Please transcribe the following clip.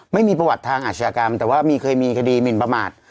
ไม่มีประวัติทางอาชญากรรมแต่ว่ามีเคยมีคดีหมินประมาท